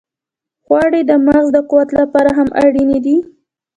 غوړې د مغز د قوت لپاره هم اړینې دي.